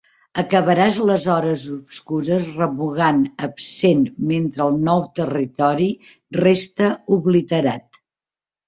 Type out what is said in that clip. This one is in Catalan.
Acabaràs les hores obscures remugant absent mentre el nou territori resta obliterat.